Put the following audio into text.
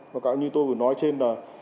và cũng như tôi vừa nói trên là